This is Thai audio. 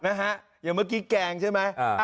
อย่างเมื่อกี้แกงใช่ไหม